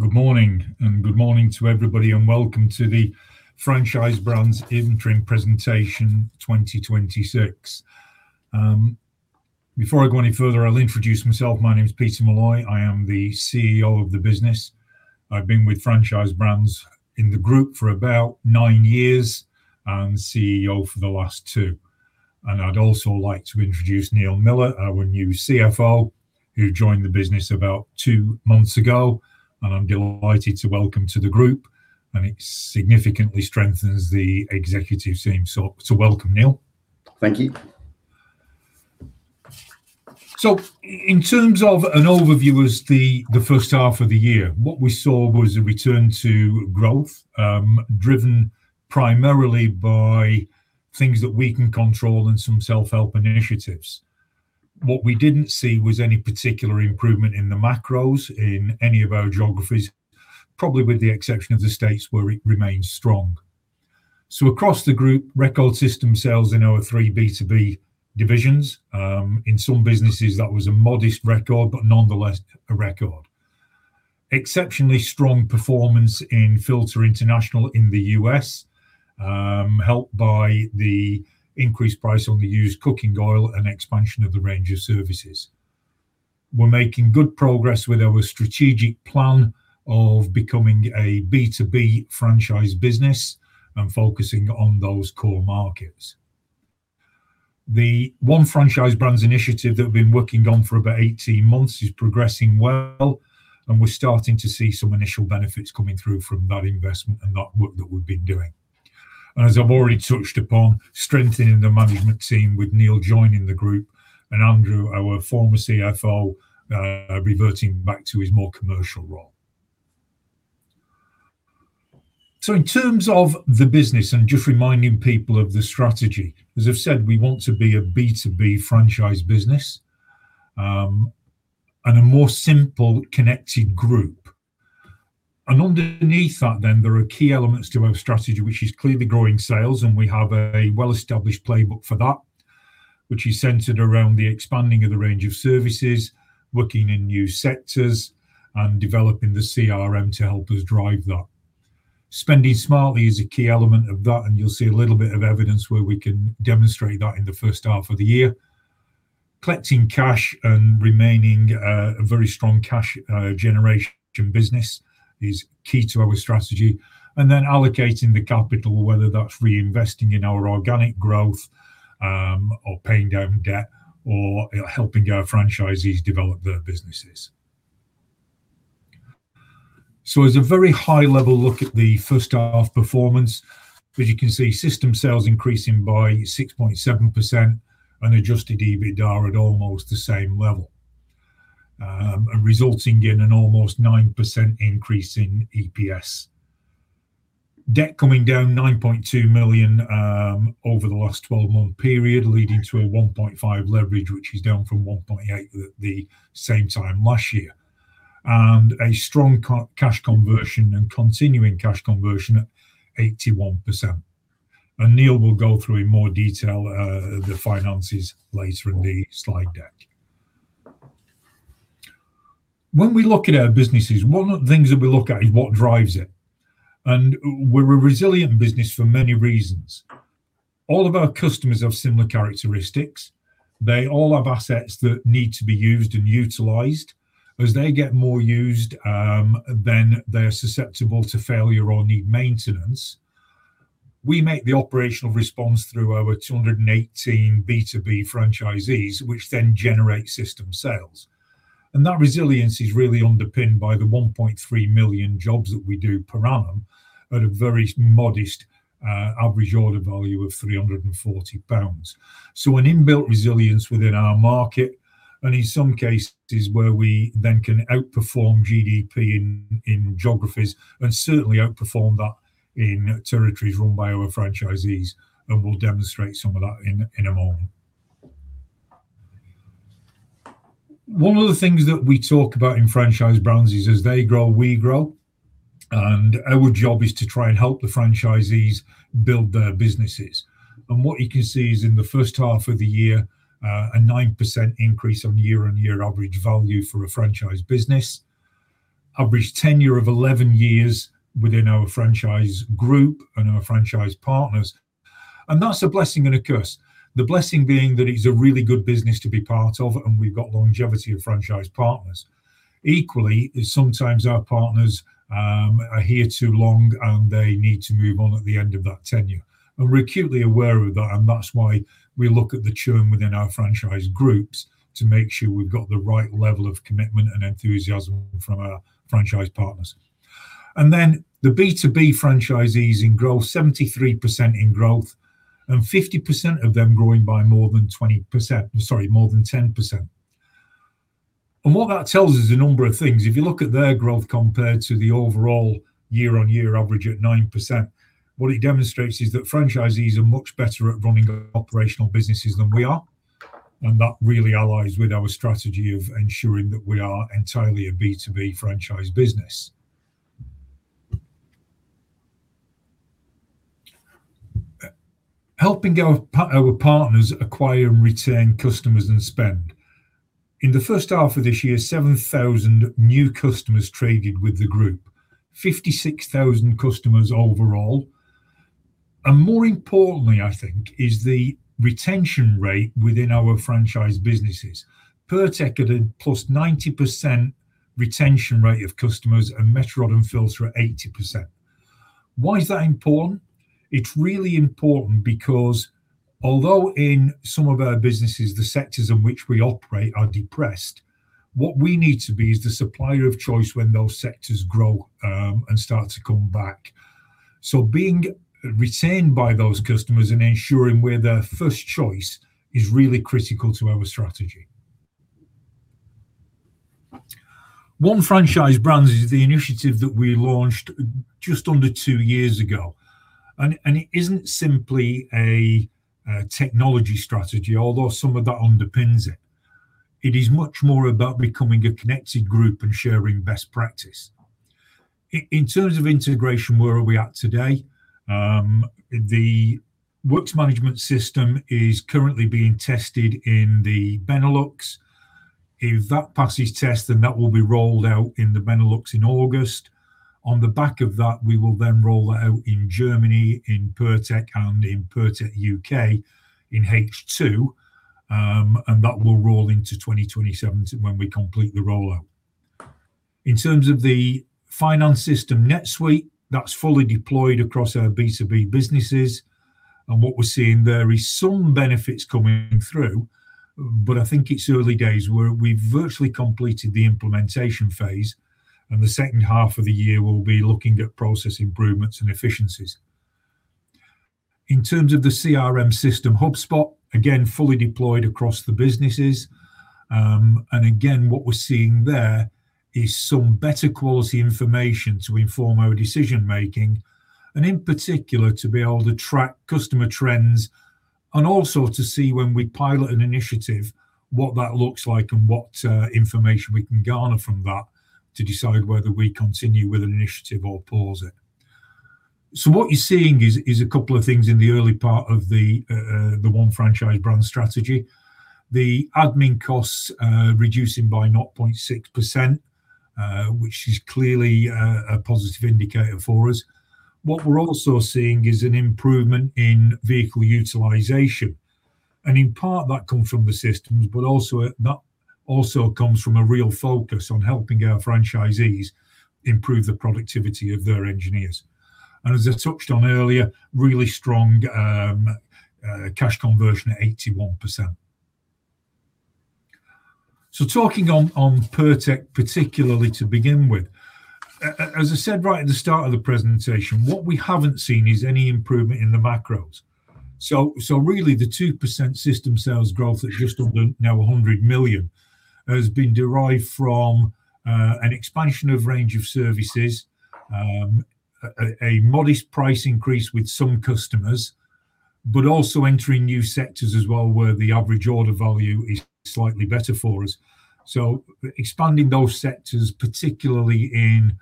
Good morning, good morning to everybody, welcome to the Franchise Brands Interim Presentation 2026. Before I go any further, I will introduce myself. My name is Peter Molloy, I am the CEO of the business. I have been with Franchise Brands, in the group, for about nine years and CEO for the last two. I would also like to introduce Neil Miller, our new CFO, who joined the business about two months ago, I am delighted to welcome to the group, it significantly strengthens the executive team. Welcome, Neil. Thank you. In terms of an overview as the first half of the year, what we saw was a return to growth, driven primarily by things that we can control and some self-help initiatives. What we did not see was any particular improvement in the macros in any of our geographies, probably with the exception of the States where it remains strong. Across the group, record system sales in our three B2B divisions. In some businesses that was a modest record, but nonetheless a record. Exceptionally strong performance in Filta International in the States, helped by the increased price on the used cooking oil and expansion of the range of services. We are making good progress with our strategic plan of becoming a B2B franchise business and focusing on those core markets. The One Franchise Brands initiative that we have been working on for about 18 months is progressing well, we are starting to see some initial benefits coming through from that investment and that work that we have been doing. As I have already touched upon, strengthening the management team with Neil joining the group and Andrew, our former CFO, reverting back to his more commercial role. In terms of the business and just reminding people of the strategy, as I have said, we want to be a B2B franchise business, a more simple, connected group. Underneath that then there are key elements to our strategy, which is clearly growing sales, we have a well-established playbook for that, which is centered around the expanding of the range of services, working in new sectors, developing the CRM to help us drive that. Spending smartly is a key element of that, you'll see a little bit of evidence where we can demonstrate that in the first half of the year. Collecting cash and remaining a very strong cash generation business is key to our strategy. Allocating the capital, whether that's reinvesting in our organic growth, or paying down debt, or helping our franchisees develop their businesses. As a very high-level look at the first half performance, as you can see, system sales increasing by 6.7% and adjusted EBITDA at almost the same level, resulting in an almost 9% increase in EPS. Debt coming down 9.2 million over the last 12-month period leading to a 1.5 leverage, which is down from 1.8 at the same time last year. A strong cash conversion and continuing cash conversion at 81%. Neil will go through in more detail, the finances later in the slide deck. When we look at our businesses, one of the things that we look at is what drives it, we're a resilient business for many reasons. All of our customers have similar characteristics. They all have assets that need to be used and utilized. As they get more used, they're susceptible to failure or need maintenance. We make the operational response through our 218 B2B franchisees, which generate system sales. That resilience is really underpinned by the 1.3 million jobs that we do per annum at a very modest average order value of 340 pounds. An inbuilt resilience within our market, in some cases where we can outperform GDP in geographies and certainly outperform that in territories run by our franchisees, we'll demonstrate some of that in a moment. One of the things that we talk about in Franchise Brands is as they grow, we grow, our job is to try and help the franchisees build their businesses. What you can see is in the first half of the year, a 9% increase on year-on-year average value for a franchise business, average tenure of 11 years within our franchise group and our franchise partners, that's a blessing and a curse. The blessing being that it is a really good business to be part of, we've got longevity of franchise partners. Equally, sometimes our partners are here too long, they need to move on at the end of that tenure, we're acutely aware of that's why we look at the churn within our franchise groups to make sure we've got the right level of commitment and enthusiasm from our franchise partners. The B2B franchisees in growth, 73% in growth, 50% of them growing by more than 20%, I'm sorry, more than 10%. What that tells us a number of things, if you look at their growth compared to the overall year-on-year average at 9%, what it demonstrates is that franchisees are much better at running operational businesses than we are, that really allies with our strategy of ensuring that we are entirely a B2B franchise business. Helping our partners acquire and retain customers and spend. In the first half of this year, 7,000 new customers traded with the group, 56,000 customers overall. More importantly, I think, is the retention rate within our franchise businesses. Pirtek had a plus 90% retention rate of customers, Metro Rod and Filta are 80%. Why is that important? It's really important because although in some of our businesses, the sectors in which we operate are depressed, what we need to be is the supplier of choice when those sectors grow and start to come back. Being retained by those customers and ensuring we're their first choice is really critical to our strategy. One Franchise Brands is the initiative that we launched just under two years ago, and it isn't simply a technology strategy, although some of that underpins it. It is much more about becoming a connected group and sharing best practice. In terms of integration, where are we at today? The works management system is currently being tested in the Benelux. If that passes test, that will be rolled out in the Benelux in August. We will roll that out in Germany, in Pirtek, and in Pirtek UK in H2, and that will roll into 2027, when we complete the rollout. In terms of the finance system, NetSuite, that's fully deployed across our B2B businesses, and what we're seeing there is some benefits coming through, but I think it's early days. We've virtually completed the implementation phase, and the second half of the year, we'll be looking at process improvements and efficiencies. In terms of the CRM system, HubSpot, again, fully deployed across the businesses. Again, what we're seeing there is some better quality information to inform our decision making, and in particular, to be able to track customer trends and also to see when we pilot an initiative, what that looks like and what information we can garner from that to decide whether we continue with an initiative or pause it. What you're seeing is a couple of things in the early part of the One Franchise Brands strategy. The admin costs reducing by 0.6%, which is clearly a positive indicator for us. What we're also seeing is an improvement in vehicle utilization, and in part that comes from the systems, but that also comes from a real focus on helping our franchisees improve the productivity of their engineers. As I touched on earlier, really strong cash conversion at 81%. Talking on Pirtek particularly to begin with, as I said right at the start of the presentation, what we haven't seen is any improvement in the macros. Really, the 2% system sales growth at just under now 100 million has been derived from an expansion of range of services, a modest price increase with some customers, but also entering new sectors as well, where the average order value is slightly better for us. Expanding those sectors, particularly in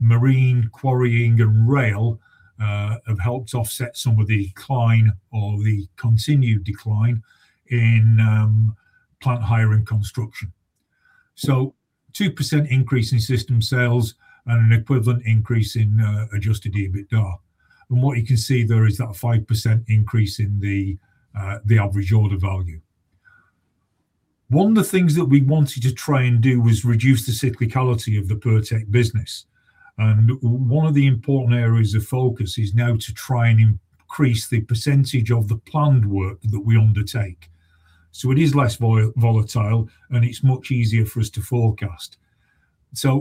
marine, quarrying, and rail, have helped offset some of the decline or the continued decline in plant hire and construction. 2% increase in system sales and an equivalent increase in adjusted EBITDA. What you can see there is that 5% increase in the average order value. One of the things that we wanted to try and do was reduce the cyclicality of the Pirtek business, and one of the important areas of focus is now to try and increase the percentage of the planned work that we undertake, so it is less volatile and it's much easier for us to forecast.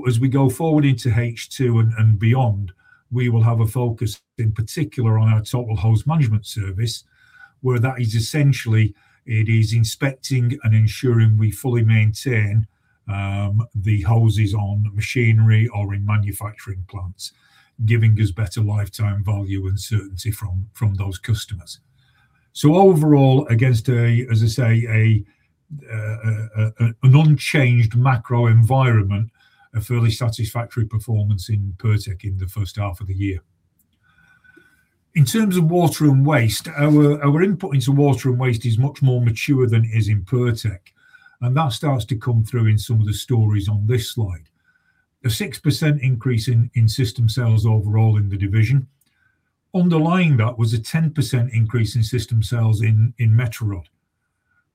As we go forward into H2 and beyond, we will have a focus in particular on our total hose management service, where that is essentially, it is inspecting and ensuring we fully maintain the hoses on machinery or in manufacturing plants, giving us better lifetime value and certainty from those customers. Overall, against, as I say, an unchanged macro environment, a fairly satisfactory performance in Pirtek in the first half of the year. In terms of Water and Waste, our input into Water and Waste is much more mature than it is in Pirtek, and that starts to come through in some of the stories on this slide. A 6% increase in system sales overall in the division. Underlying that was a 10% increase in system sales in Metro Rod,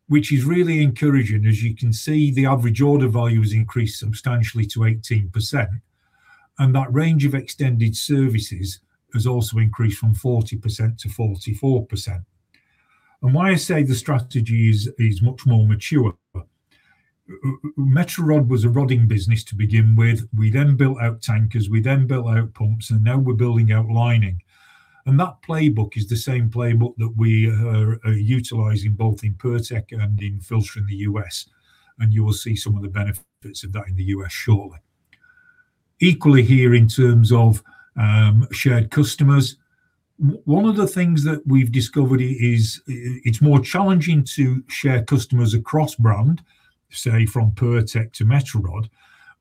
which is really encouraging. As you can see, the average order value has increased substantially to 18%, and that range of extended services has also increased from 40% to 44%. Why I say the strategy is much more mature, Metro Rod was a rodding business to begin with. We then built out tankers, we then built out pumps, and now we're building out lining. That playbook is the same playbook that we are utilizing both in Pirtek and in Filta in the U.S., and you will see some of the benefits of that in the U.S. shortly. Equally here, in terms of shared customers, one of the things that we've discovered is it's more challenging to share customers across brand, say from Pirtek to Metro Rod,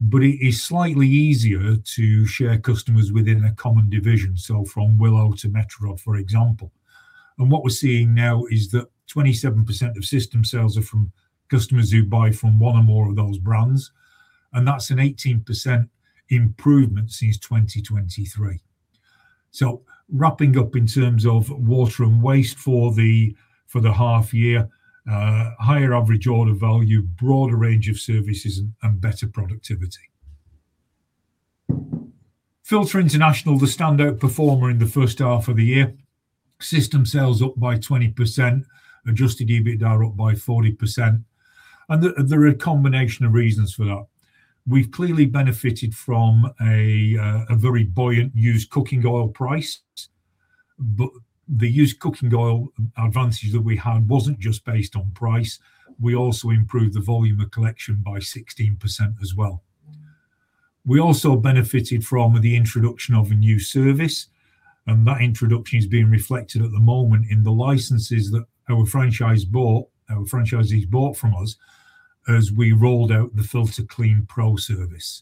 but it is slightly easier to share customers within a common division. From Willow to Metro Rod, for example. What we're seeing now is that 27% of system sales are from customers who buy from one or more of those brands, and that's an 18% improvement since 2023. Wrapping up in terms of Water and Waste for the half year, higher average order value, broader range of services, and better productivity. Filta International, the standout performer in the first half of the year. System sales up by 20%, adjusted EBITDA up by 40%, and there are a combination of reasons for that. We've clearly benefited from a very buoyant used cooking oil price. The used cooking oil advantage that we had wasn't just based on price. We also improved the volume of collection by 16% as well. We also benefited from the introduction of a new service, and that introduction is being reflected at the moment in the licenses that our franchisees bought from us as we rolled out the FiltaClean Pro service.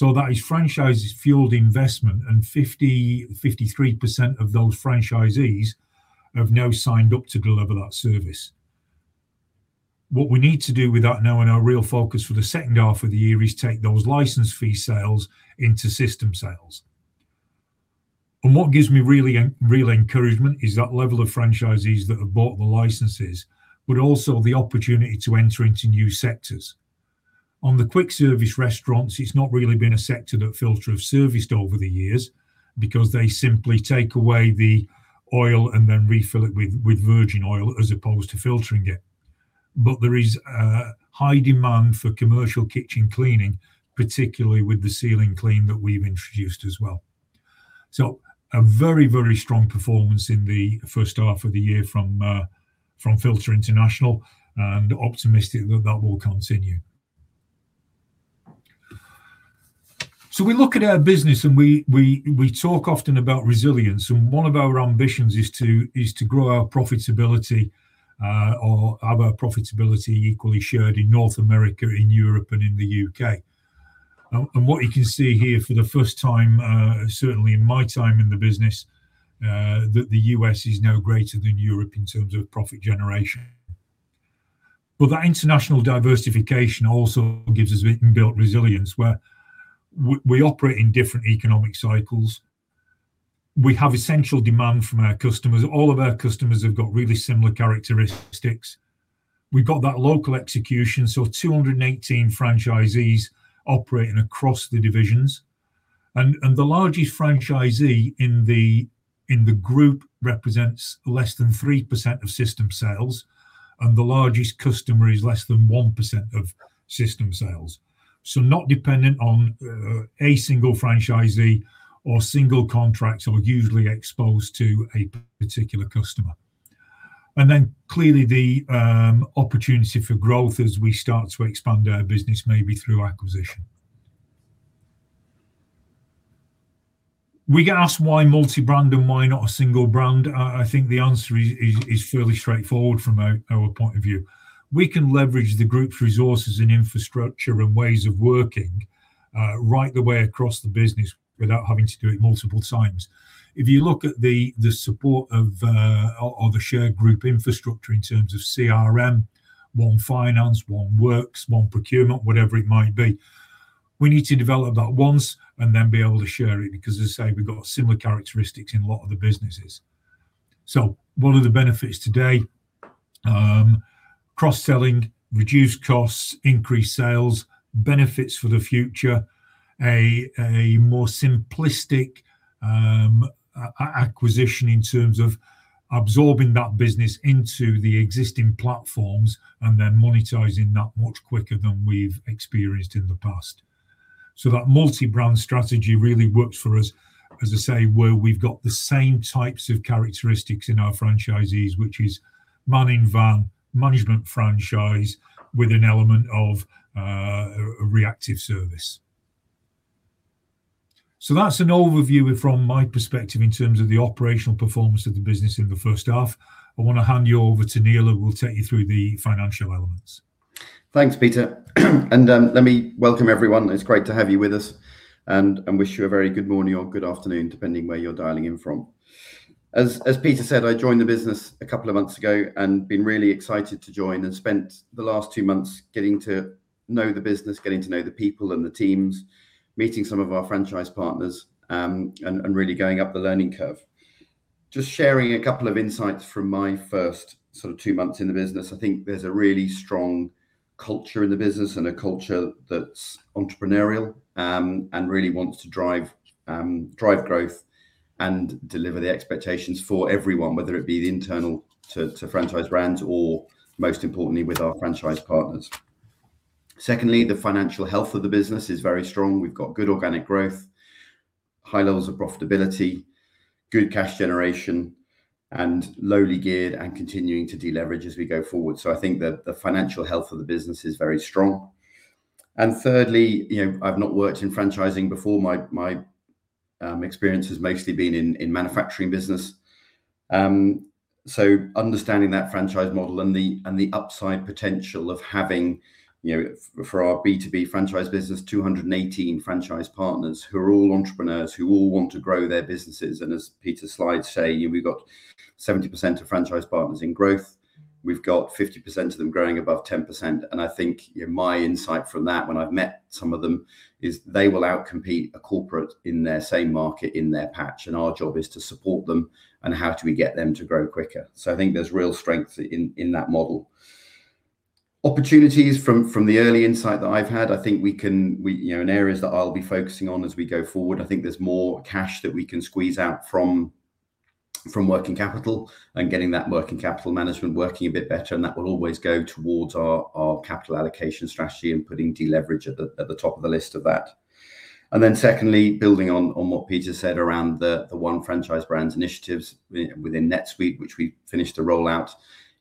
That is franchisees fueled investment, and 53% of those franchisees have now signed up to deliver that service. What we need to do with that now, and our real focus for the second half of the year, is take those license fee sales into system sales. What gives me real encouragement is that level of franchisees that have bought the licenses, but also the opportunity to enter into new sectors. On the quick service restaurants, it is not really been a sector that Filta have serviced over the years because they simply take away the oil and then refill it with virgin oil as opposed to filtering it. There is a high demand for commercial kitchen cleaning, particularly with the ceiling clean that we have introduced as well. A very strong performance in the first half of the year from Filta International and optimistic that that will continue. We look at our business and we talk often about resilience and one of our ambitions is to grow our profitability, or have our profitability equally shared in North America, in Europe, and in the U.K. What you can see here for the first time, certainly in my time in the business, that the U.S. is now greater than Europe in terms of profit generation. That international diversification also gives us inbuilt resilience, where we operate in different economic cycles. We have essential demand from our customers. All of our customers have got really similar characteristics. We have got that local execution, 218 franchisees operating across the divisions. The largest franchisee in the group represents less than 3% of system sales, and the largest customer is less than 1% of system sales. Not dependent on a single franchisee or single contracts or usually exposed to a particular customer. Then clearly the opportunity for growth as we start to expand our business, maybe through acquisition. We get asked why multi-brand and why not a single brand. I think the answer is fairly straightforward from our point of view. We can leverage the group's resources and infrastructure and ways of working right the way across the business without having to do it multiple times. If you look at the support of a shared group infrastructure in terms of CRM, one finance, one works, one procurement, whatever it might be, we need to develop that once and then be able to share it because, as I say, we have got similar characteristics in a lot of the businesses. One of the benefits today, cross-selling, reduced costs, increased sales. Benefits for the future, a more simplistic acquisition in terms of absorbing that business into the existing platforms and then monetizing that much quicker than we have experienced in the past. That multi-brand strategy really works for us, as I say, where we have got the same types of characteristics in our franchisees, which is man-in-van management franchise with an element of a reactive service. That is an overview from my perspective in terms of the operational performance of the business in the first half. I want to hand you over to Neil, who will take you through the financial elements. Thanks, Peter. Let me welcome everyone. It's great to have you with us and wish you a very good morning or good afternoon, depending where you're dialing in from. As Peter said, I joined the business a couple of months ago and been really excited to join and spent the last two months getting to know the business, getting to know the people and the teams, meeting some of our franchise partners, and really going up the learning curve. Just sharing a couple of insights from my first sort of two months in the business. I think there's a really strong culture in the business and a culture that's entrepreneurial, and really wants to drive growth and deliver the expectations for everyone, whether it be internal to Franchise Brands or most importantly with our franchise partners. Secondly, the financial health of the business is very strong. We've got good organic growth, high levels of profitability, good cash generation, and lowly geared and continuing to deleverage as we go forward. I think that the financial health of the business is very strong. Thirdly, I've not worked in franchising before. My experience has mostly been in manufacturing business. Understanding that franchise model and the upside potential of having, for our B2B franchise business, 218 franchise partners who are all entrepreneurs who all want to grow their businesses. As Peter's slides say, we've got 70% of franchise partners in growth. We've got 50% of them growing above 10%. I think my insight from that, when I've met some of them, is they will out-compete a corporate in their same market, in their patch, and our job is to support them, and how do we get them to grow quicker. I think there's real strength in that model. Opportunities from the early insight that I've had, I think in areas that I'll be focusing on as we go forward, I think there's more cash that we can squeeze out from working capital and getting that working capital management working a bit better, and that will always go towards our capital allocation strategy and putting deleverage at the top of the list of that. Secondly, building on what Peter said around the One Franchise Brands initiatives within NetSuite, which we finished a rollout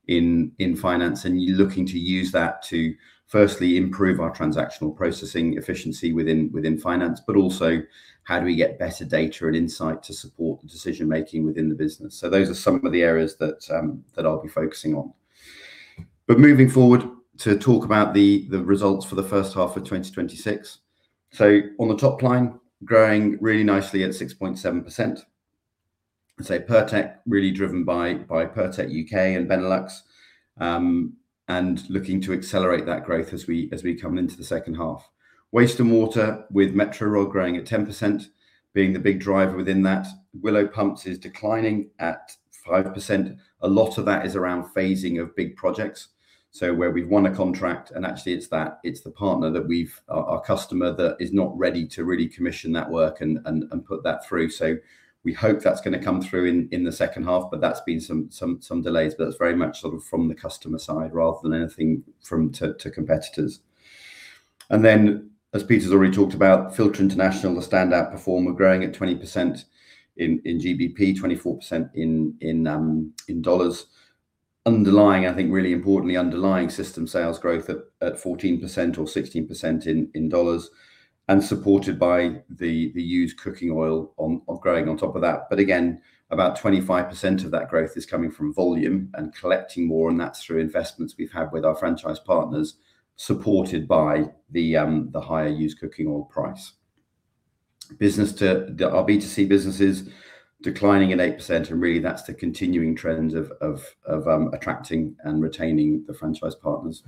in finance, and looking to use that to firstly improve our transactional processing efficiency within finance, but also how do we get better data and insight to support the decision making within the business. Those are some of the areas that I'll be focusing on. Moving forward to talk about the results for the first half of 2026. On the top line, growing really nicely at 6.7%. I'd say Pirtek really driven by Pirtek UK and Benelux, and looking to accelerate that growth as we come into the second half. Water & Waste Services with Metro Rod growing at 10%, being the big driver within that. Willow Pumps is declining at 5%. A lot of that is around phasing of big projects. Where we've won a contract, and actually it's the partner, our customer that is not ready to really commission that work and put that through. We hope that's going to come through in the second half, but that's been some delays, but that's very much sort of from the customer side rather than anything to competitors. As Peter's already talked about, Filta International, the standout performer, growing at 20% in GBP, 24% in dollars. Really importantly, underlying system sales growth at 14% or 16% in USD, and supported by the used cooking oil growing on top of that. Again, about 25% of that growth is coming from volume and collecting more, and that's through investments we've had with our franchise partners, supported by the higher used cooking oil price. Our B2C business is declining at 8%, and really that's the continuing trend of attracting and retaining the franchise partners.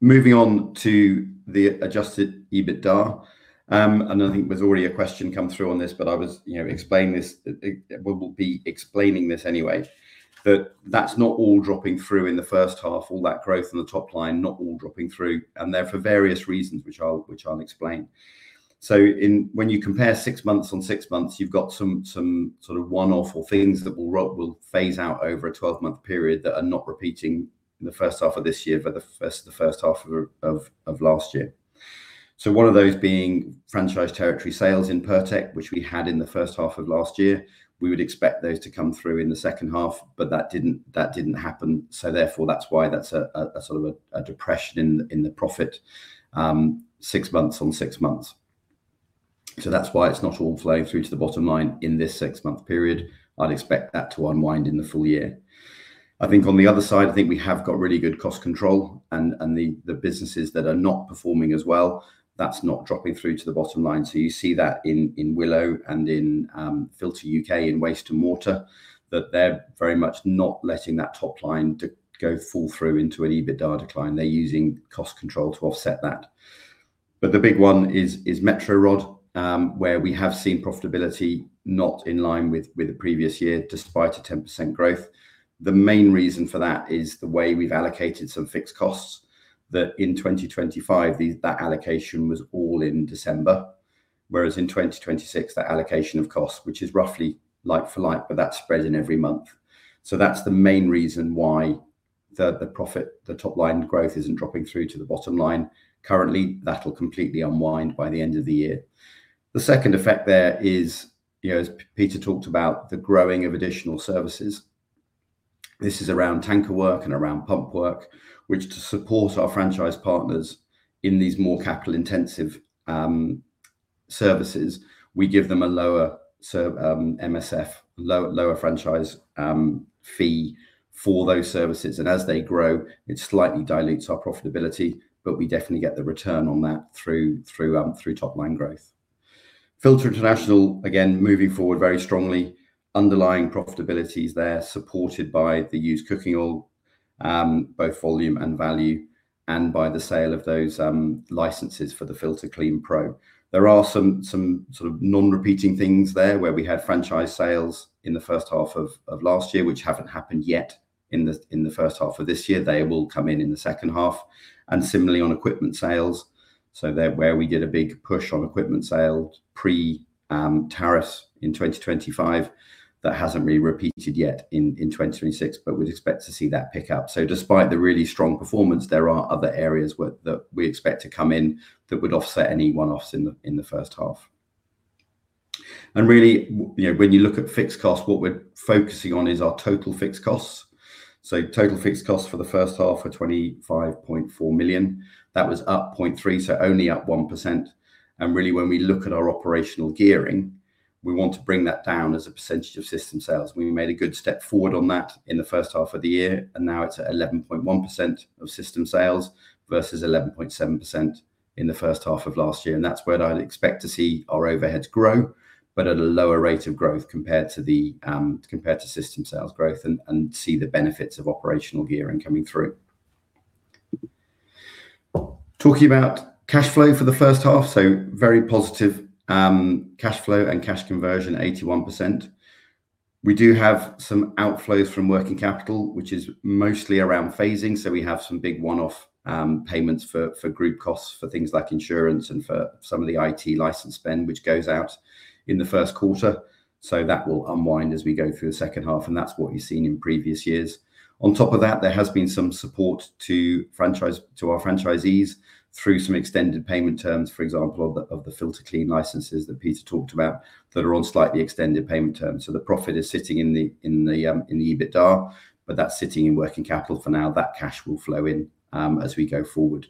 Moving on to the adjusted EBITDA, and I think there's already a question come through on this, but we'll be explaining this anyway. That's not all dropping through in the first half, all that growth in the top line, not all dropping through. They're for various reasons, which I'll explain. When you compare six months on six months, you've got some sort of one-off or things that will phase out over a 12-month period that are not repeating in the first half of this year versus the first half of last year. One of those being franchise territory sales in Pirtek, which we had in the first half of last year. We would expect those to come through in the second half, but that didn't happen. That's why that's a sort of a depression in the profit, six months on six months. That's why it's not all flowing through to the bottom line in this six-month period. I'd expect that to unwind in the full year. On the other side, we have got really good cost control and the businesses that are not performing as well, that's not dropping through to the bottom line. You see that in Willow and in Filta UK in Water & Waste Services, that they're very much not letting that top line go fall through into an EBITDA decline. They're using cost control to offset that. The big one is Metro Rod, where we have seen profitability not in line with the previous year, despite a 10% growth. The main reason for that is the way we've allocated some fixed costs, that in 2025, that allocation was all in December. Whereas in 2026, that allocation of cost, which is roughly like for like, but that's spread in every month. That's the main reason why the top line growth isn't dropping through to the bottom line. Currently, that'll completely unwind by the end of the year. The second effect there is, as Peter talked about, the growing of additional services. This is around tanker work and around pump work, which to support our franchise partners in these more capital-intensive services, we give them a lower MSF, lower franchise fee for those services. As they grow, it slightly dilutes our profitability, but we definitely get the return on that through top-line growth. Filta International, again, moving forward very strongly. Underlying profitability is there, supported by the used cooking oil, both volume and value, and by the sale of those licenses for the Filta Clean Pro. There are some sort of non-repeating things there where we had franchise sales in the first half of last year, which haven't happened yet in the first half of this year. They will come in in the second half. Similarly on equipment sales. There where we did a big push on equipment sales pre-tariffs in 2025, that hasn't really repeated yet in 2026, but we'd expect to see that pick up. Despite the really strong performance, there are other areas that we expect to come in that would offset any one-offs in the first half. Really, when you look at fixed costs, what we're focusing on is our total fixed costs. Total fixed costs for the first half are 25.4 million. That was up 0.3, so only up 1%. Really, when we look at our operational gearing, we want to bring that down as a percentage of system sales. We made a good step forward on that in the first half of the year, and now it's at 11.1% of system sales versus 11.7% in the first half of last year. That's where I'd expect to see our overheads grow, but at a lower rate of growth compared to system sales growth, and see the benefits of operational gearing coming through. Talking about cash flow for the first half, very positive cash flow and cash conversion 81%. We do have some outflows from working capital, which is mostly around phasing. We have some big one-off payments for group costs, for things like insurance and for some of the IT license spend, which goes out in the first quarter. That will unwind as we go through the second half, and that's what you've seen in previous years. On top of that, there has been some support to our franchisees through some extended payment terms, for example, of the FiltaClean Pro licenses that Peter talked about, that are on slightly extended payment terms. The profit is sitting in the EBITDA, but that's sitting in working capital for now. That cash will flow in as we go forward.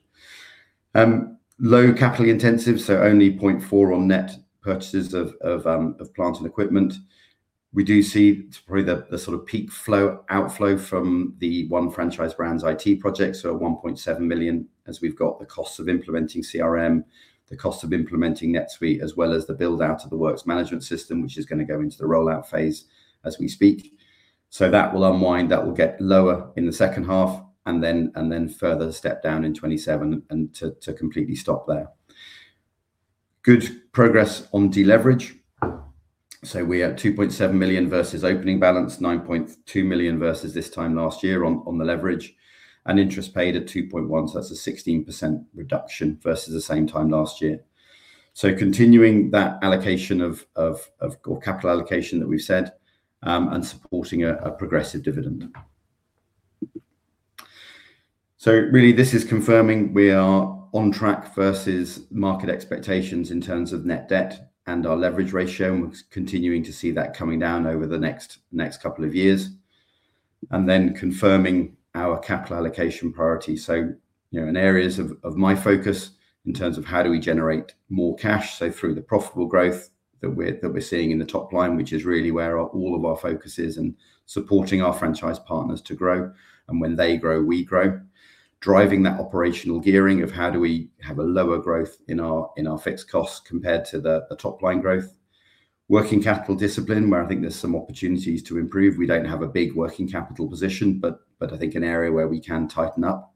Low capitally intensive, only 0.4 on net purchases of plant and equipment. We do see it's probably the sort of peak outflow from the One Franchise Brands IT project, 1.7 million, as we've got the cost of implementing CRM, the cost of implementing NetSuite, as well as the build-out of the works management system, which is going to go into the rollout phase as we speak. That will unwind. That will get lower in the second half, and then further step down in 2027, and to completely stop there. Good progress on deleverage. We are at 2.7 million versus opening balance, 9.2 million versus this time last year on the leverage, and interest paid at 2.1, that's a 16% reduction versus the same time last year. Continuing that capital allocation that we've said, and supporting a progressive dividend. Really this is confirming we are on track versus market expectations in terms of net debt and our leverage ratio, and we're continuing to see that coming down over the next couple of years. Then confirming our capital allocation priority. In areas of my focus in terms of how do we generate more cash, through the profitable growth that we're seeing in the top line, which is really where all of our focus is in supporting our franchise partners to grow. When they grow, we grow. Driving that operational gearing of how do we have a lower growth in our fixed costs compared to the top line growth. Working capital discipline, where I think there's some opportunities to improve. We don't have a big working capital position but I think an area where we can tighten up.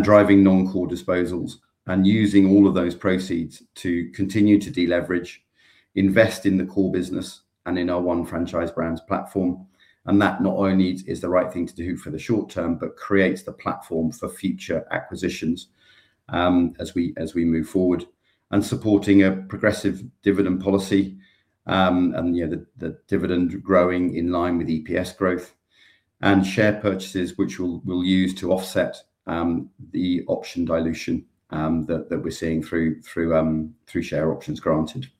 Driving non-core disposals and using all of those proceeds to continue to deleverage, invest in the core business, and in our One Franchise Brands platform. That not only is the right thing to do for the short term, but creates the platform for future acquisitions as we move forward. Supporting a progressive dividend policy, and the dividend growing in line with EPS growth. Share purchases, which we'll use to offset the option dilution that we're seeing through share options granted.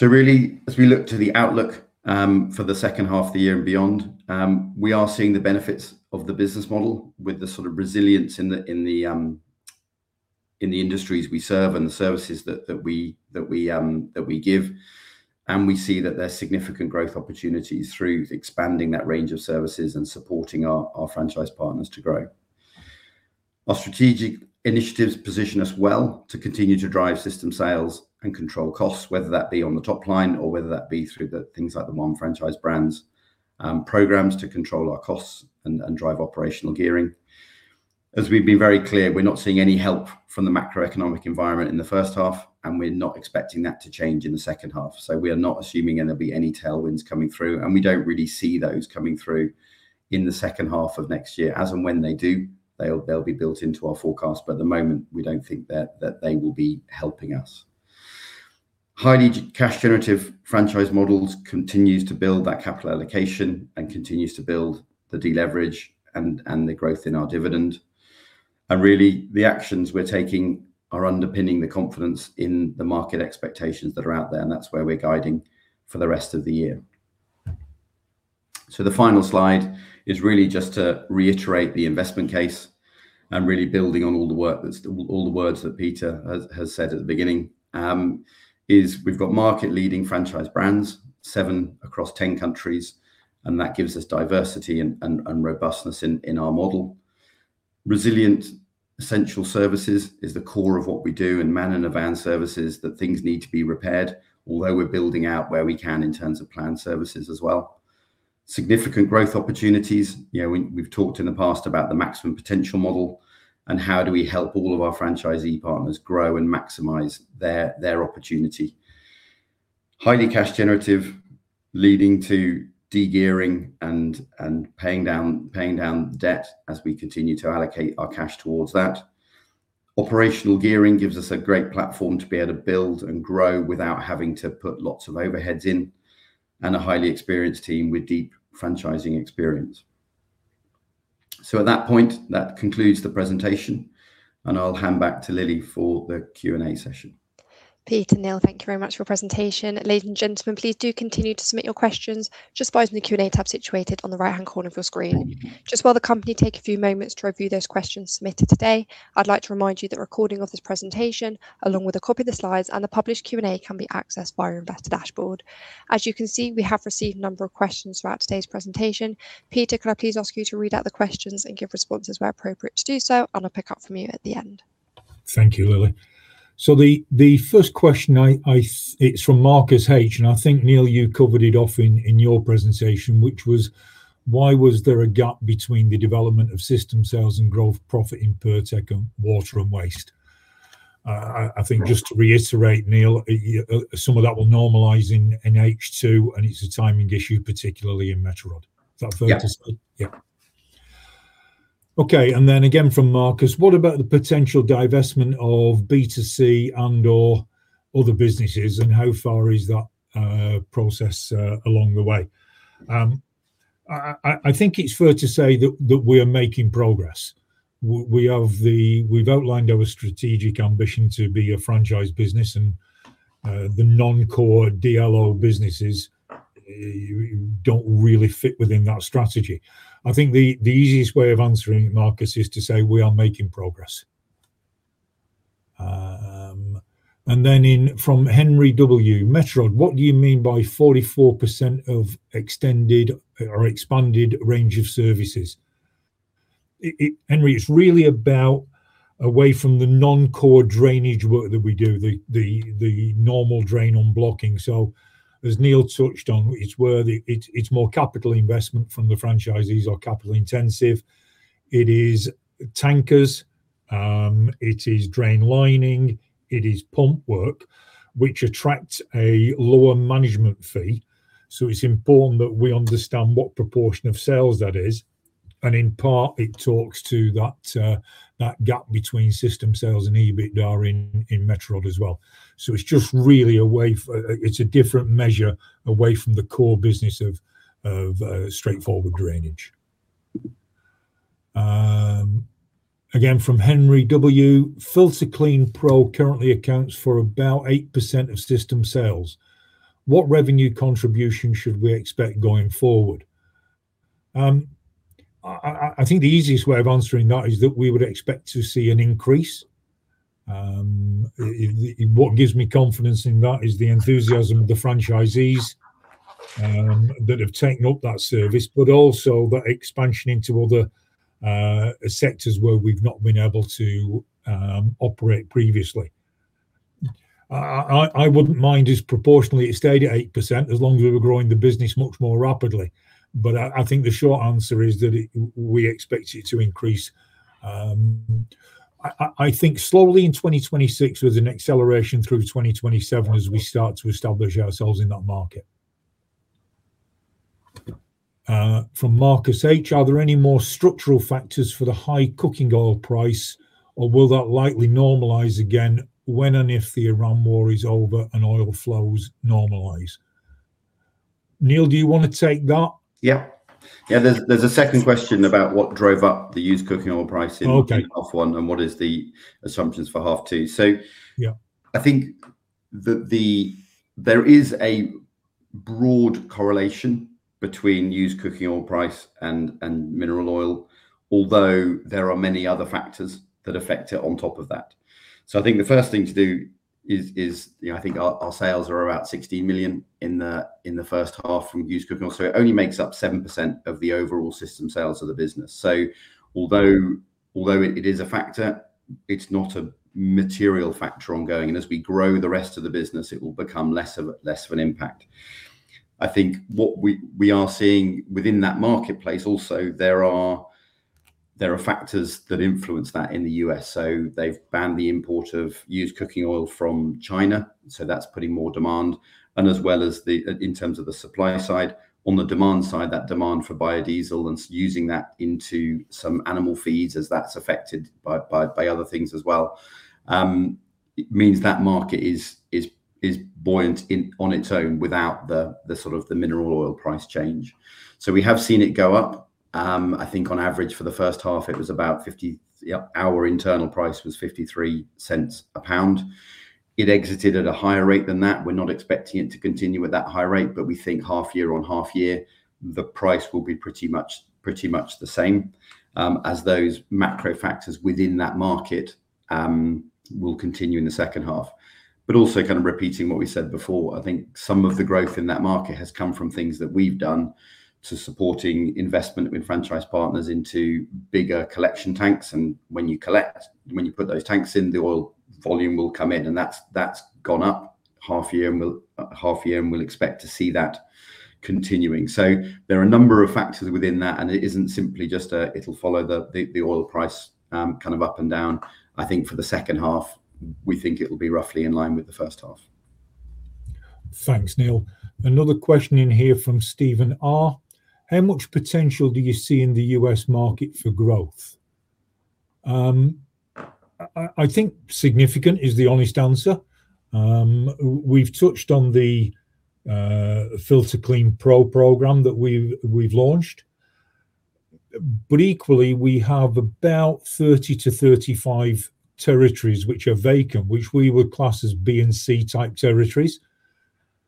Really, as we look to the outlook for the second half of the year and beyond, we are seeing the benefits of the business model with the sort of resilience in the industries we serve and the services that we give. We see that there's significant growth opportunities through expanding that range of services and supporting our franchise partners to grow. Our strategic initiatives position us well to continue to drive system sales and control costs, whether that be on the top line or whether that be through the things like the One Franchise Brands programs to control our costs and drive operational gearing. As we've been very clear, we're not seeing any help from the macroeconomic environment in the first half, and we're not expecting that to change in the second half. We are not assuming there will be any tailwinds coming through, and we don't really see those coming through in the second half of next year. As and when they do, they'll be built into our forecast, but at the moment, we don't think that they will be helping us. Highly cash generative franchise models continues to build that capital allocation and continues to build the deleverage and the growth in our dividend. Really, the actions we're taking are underpinning the confidence in the market expectations that are out there, and that's where we're guiding for the rest of the year. The final slide is really just to reiterate the investment case and really building on all the words that Peter has said at the beginning, is we've got market leading franchise brands, seven across 10 countries, and that gives us diversity and robustness in our model. Resilient, essential services is the core of what we do in man and van services, that things need to be repaired. Although we're building out where we can in terms of planned services as well. Significant growth opportunities. We've talked in the past about the maximum potential model and how do we help all of our franchisee partners grow and maximize their opportunity. Highly cash generative, leading to de-gearing and paying down debt as we continue to allocate our cash towards that. Operational gearing gives us a great platform to be able to build and grow without having to put lots of overheads in, and a highly experienced team with deep franchising experience. At that point, that concludes the presentation, and I'll hand back to Lily for the Q&A session. Peter, Neil, thank you very much for your presentation. Ladies and gentlemen, please do continue to submit your questions just by using the Q&A tab situated on the right-hand corner of your screen. Just while the company take a few moments to review those questions submitted today, I'd like to remind you that a recording of this presentation, along with a copy of the slides and the published Q&A, can be accessed via Investor Dashboard. As you can see, we have received a number of questions throughout today's presentation. Peter, could I please ask you to read out the questions and give responses where appropriate to do so, and I'll pick up from you at the end. Thank you, Lily. The first question, it's from Marcus H. I think, Neil, you covered it off in your presentation, which was: Why was there a gap between the development of system sales and gross profit in Pirtek and Water and Waste? I think just to reiterate, Neil, some of that will normalize in H2, and it's a timing issue, particularly in Metro Rod. Is that fair to say? Yeah. Yeah. Okay, again from Marcus: What about the potential divestment of B2C and/or other businesses, and how far is that process along the way? I think it's fair to say that we are making progress. We've outlined our strategic ambition to be a franchise business and the non-core DLO businesses don't really fit within that strategy. I think the easiest way of answering, Marcus, is to say we are making progress. Then from Henry W.: Metro Rod, what do you mean by 44% of extended or expanded range of services? Henry, it's really about away from the non-core drainage work that we do, the normal drain unblocking. As Neil touched on, it's more capital investment from the franchisees or capital intensive. It is tankers, it is drain lining, it is pump work, which attracts a lower management fee. It's important that we understand what proportion of sales that is, and in part it talks to that gap between system sales and EBITDA in Metro Rod as well. It's a different measure away from the core business of straightforward drainage. Again, from Henry W.: FiltaClean Pro currently accounts for about 8% of system sales. What revenue contribution should we expect going forward? I think the easiest way of answering that is that we would expect to see an increase. What gives me confidence in that is the enthusiasm of the franchisees that have taken up that service, but also that expansion into other sectors where we've not been able to operate previously. I wouldn't mind us proportionally stay at 8% as long as we were growing the business much more rapidly. I think the short answer is that we expect it to increase, I think slowly in 2026 with an acceleration through 2027 as we start to establish ourselves in that market. From Marcus H.: Are there any more structural factors for the high cooking oil price, or will that likely normalize again when and if the Iran war is over and oil flows normalize? Neil, do you want to take that? There's a second question about what drove up the used cooking oil price. Okay. Half 1 and what is the assumptions for half 2. Yeah. I think there is a broad correlation between used cooking oil price and mineral oil, although there are many other factors that affect it on top of that. I think the first thing to do is, I think our sales are about 16 million in the first half from used cooking oil. It only makes up 7% of the overall system sales of the business. Although it is a factor, it's not a material factor ongoing, and as we grow the rest of the business, it will become less of an impact. I think what we are seeing within that marketplace also, there are factors that influence that in the U.S. They've banned the import of used cooking oil from China, so that's putting more demand. As well as in terms of the supply side, on the demand side, that demand for biodiesel and using that into some animal feeds as that is affected by other things as well, it means that market is buoyant on its own without the mineral oil price change. We have seen it go up. I think on average for the first half, our internal price was 0.53 a pound. It exited at a higher rate than that. We are not expecting it to continue at that high rate, but we think half year on half year, the price will be pretty much the same, as those macro factors within that market will continue in the second half. Also kind of repeating what we said before, I think some of the growth in that market has come from things that we have done to supporting investment with franchise partners into bigger collection tanks, and when you collect, when you put those tanks in, the oil volume will come in, and that has gone up half year on half year, and we will expect to see that continuing. There are a number of factors within that, and it is not simply just it will follow the oil price kind of up and down. I think for the second half, we think it will be roughly in line with the first half. Thanks, Neil. Another question in here from Steven R.: How much potential do you see in the U.S. market for growth? I think significant is the honest answer. We have touched on the FiltaClean Pro program that we have launched, but equally, we have about 30-35 territories which are vacant, which we would class as B and C type territories,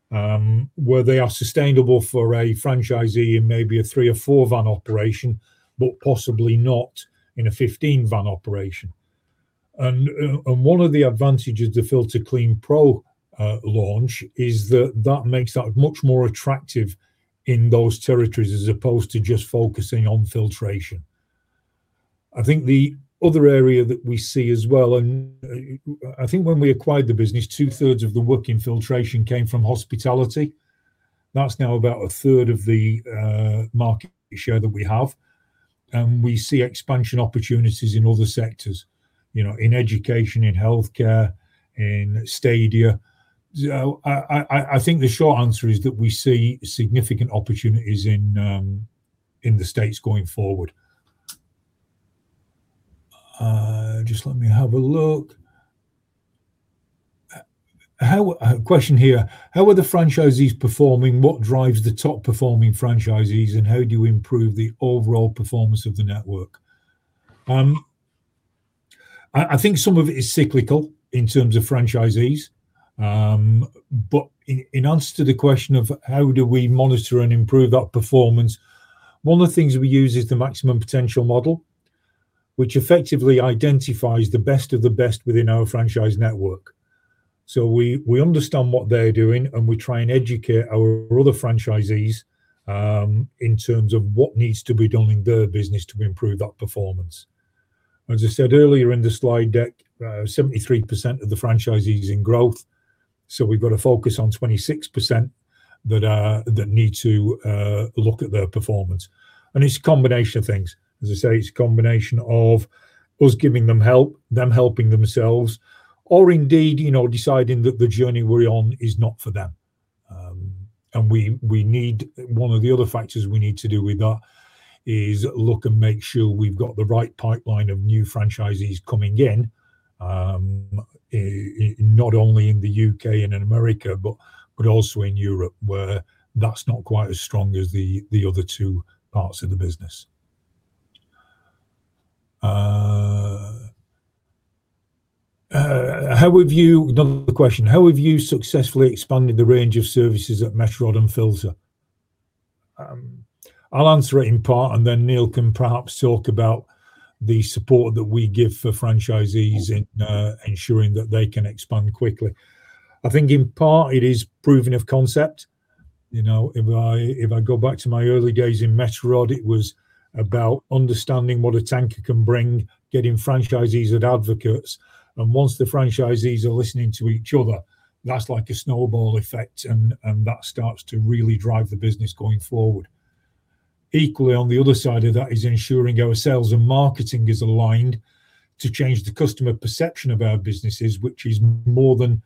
where they are sustainable for a franchisee in maybe a three or four van operation, but possibly not in a 15 van operation. One of the advantages of FiltaClean Pro launch is that makes that much more attractive in those territories, as opposed to just focusing on filtration. I think the other area that we see as well, and I think when we acquired the business, two-thirds of the work in filtration came from hospitality. That is now about a third of the market share that we have. We see expansion opportunities in other sectors, in education, in healthcare, in stadia. I think the short answer is that we see significant opportunities in the States going forward. Just let me have a look. A question here, "How are the franchisees performing? What drives the top-performing franchisees, and how do you improve the overall performance of the network?" I think some of it is cyclical in terms of franchisees. In answer to the question of how do we monitor and improve that performance, one of the things that we use is the maximum potential model, which effectively identifies the best of the best within our franchise network. We understand what they are doing, and we try and educate our other franchisees, in terms of what needs to be done in their business to improve that performance. As I said earlier in the slide deck, 73% of the franchisees in growth, we've got to focus on 26% that need to look at their performance. It's a combination of things. As I say, it's a combination of us giving them help, them helping themselves, or indeed, deciding that the journey we're on is not for them. One of the other factors we need to do with that is look and make sure we've got the right pipeline of new franchisees coming in, not only in the U.K. and in the U.S., but also in Europe, where that's not quite as strong as the other two parts of the business. Another question, "How have you successfully expanded the range of services at Metro Rod and Filta?" I'll answer it in part, and then Neil can perhaps talk about the support that we give for franchisees in ensuring that they can expand quickly. I think in part it is proving of concept. If I go back to my early days in Metro Rod, it was about understanding what a tanker can bring, getting franchisees as advocates, and once the franchisees are listening to each other, that's like a snowball effect, and that starts to really drive the business going forward. Equally, on the other side of that is ensuring our sales and marketing is aligned to change the customer perception of our businesses, which is more than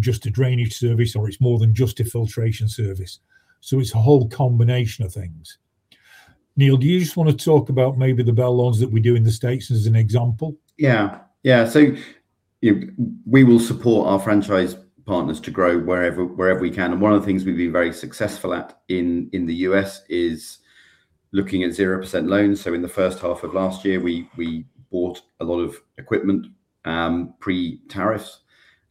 just a drainage service, or it's more than just a filtration service. It's a whole combination of things. Neil, do you just want to talk about maybe the below-market loans that we do in the U.S. as an example? Yeah. We will support our franchise partners to grow wherever we can, and one of the things we've been very successful at in the U.S. is looking at 0% loans. In the first half of last year, we bought a lot of equipment, pre-tariff,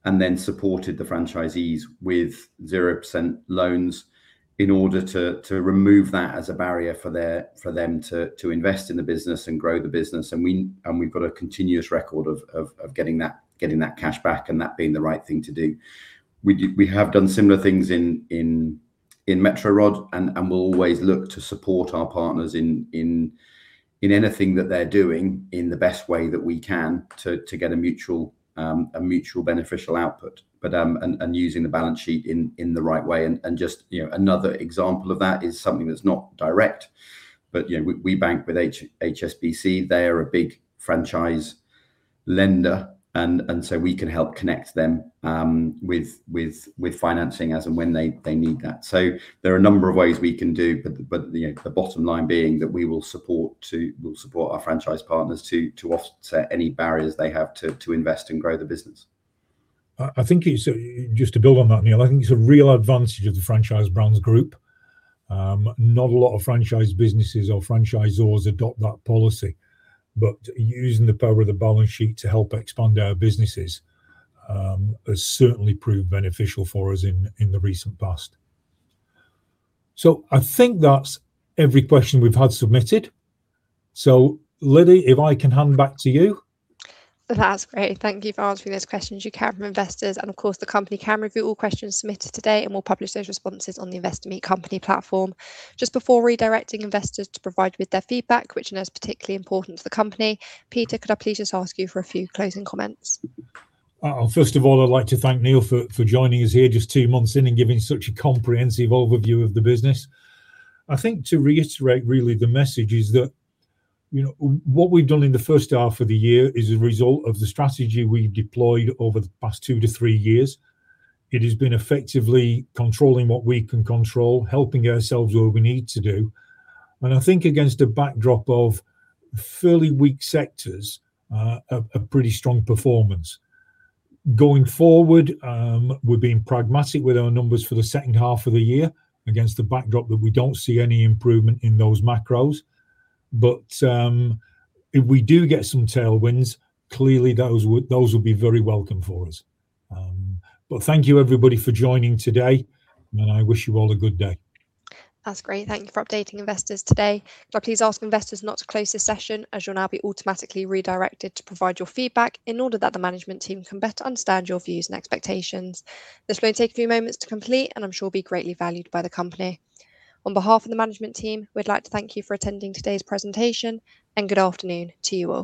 and then supported the franchisees with 0% loans in order to remove that as a barrier for them to invest in the business and grow the business. We've got a continuous record of getting that cash back and that being the right thing to do. We have done similar things in Metro Rod, and we'll always look to support our partners in anything that they're doing in the best way that we can to get a mutual beneficial output, and using the balance sheet in the right way. Just another example of that is something that's not direct, but we bank with HSBC, they are a big franchise lender, we can help connect them with financing as and when they need that. There are a number of ways we can do, but the bottom line being that we will support our franchise partners to offset any barriers they have to invest and grow the business. Just to build on that, Neil, I think it's a real advantage of the Franchise Brands Group. Not a lot of franchise businesses or franchisors adopt that policy. Using the power of the balance sheet to help expand our businesses, has certainly proved beneficial for us in the recent past. I think that's every question we've had submitted. Lily, if I can hand back to you. That's great. Thank you for answering those questions you had from investors, of course, the company can review all questions submitted today, we'll publish those responses on the Investor Meet Company platform. Just before redirecting investors to provide with their feedback, which I know is particularly important to the company, Peter, could I please just ask you for a few closing comments? First of all, I'd like to thank Neil for joining us here just two months in and giving such a comprehensive overview of the business. I think to reiterate really the message is that, what we've done in the first half of the year is a result of the strategy we've deployed over the past two to three years. It has been effectively controlling what we can control, helping ourselves where we need to do. I think against a backdrop of fairly weak sectors, a pretty strong performance. Going forward, we're being pragmatic with our numbers for the second half of the year against the backdrop that we don't see any improvement in those macros. If we do get some tailwinds, clearly those will be very welcome for us. Thank you everybody for joining today, and I wish you all a good day. That's great. Thank you for updating investors today. Could I please ask investors not to close this session, as you'll now be automatically redirected to provide your feedback in order that the management team can better understand your views and expectations. This may take a few moments to complete, and I'm sure will be greatly valued by the company. On behalf of the management team, we'd like to thank you for attending today's presentation, and good afternoon to you all